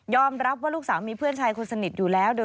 รับว่าลูกสาวมีเพื่อนชายคนสนิทอยู่แล้ว